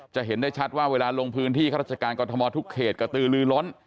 เห็นได้ชัดว่าเวลาลงพื้นที่ข้าราชการกรทมทุกเขตกระตือลือล้น